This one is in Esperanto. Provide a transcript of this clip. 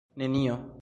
nenio